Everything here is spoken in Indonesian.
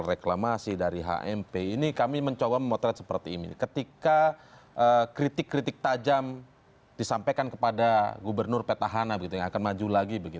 reklamasi ini bukan soal tidak boleh reklamasinya